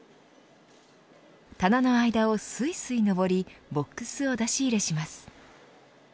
棚の間をすいすい上りボックスを出し入れします。